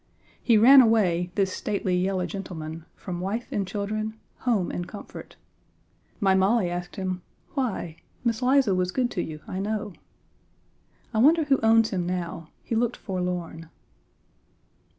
He ran away, this stately yellow gentleman, from wife and children, home and comfort. My Molly asked him "Why? Miss Liza was good to you, I know." I wonder who owns him now; he looked forlorn.